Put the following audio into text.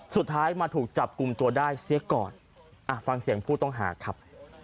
สุดท้ายมาถูกจับกลุ่มตัวได้เสียก่อนฟังเสียงผู้ต้องหาครับ